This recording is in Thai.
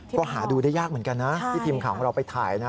ก็หาดูได้ยากเหมือนกันนะที่ทีมข่าวของเราไปถ่ายนะ